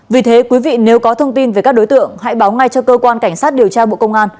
vì thế quý vị nếu có thông tin về các đối tượng hãy báo ngay cho cơ quan cảnh sát điều tra bộ công an